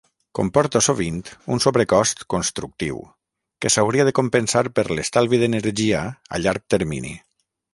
Comporta sovint un sobrecost constructiu, que s'hauria de compensar per l'estalvi d'energia a llarg termini.